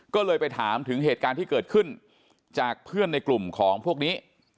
ก็เลยไปถามถึงเหตุการณ์ที่เกิดขึ้นจากเพื่อนในกลุ่มของพวกนี้